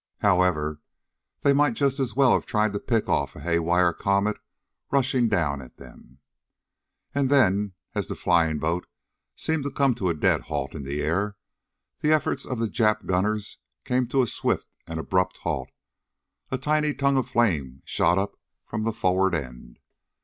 However, they might just as well have tried to pick off a haywire comet rushing down at them. And then, as the flying boat seemed to come to a dead halt in the air, the efforts of the Jap gunners came to a swift and abrupt halt. A tiny tongue of flame shot up from the forward end.